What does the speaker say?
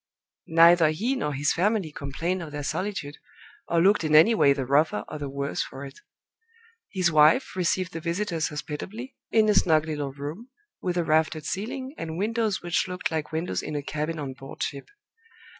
Neither he nor his family complained of their solitude, or looked in any way the rougher or the worse for it. His wife received the visitors hospitably, in a snug little room, with a raftered ceiling, and windows which looked like windows in a cabin on board ship.